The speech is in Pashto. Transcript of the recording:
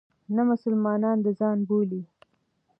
نه مسلمانان د ځان بولي.